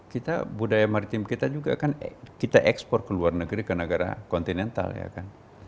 kita budaya maritim kita juga kan kita ekspor ke luar negeri ke negara kontinental ya kan